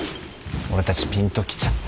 俺たちぴんときちゃった。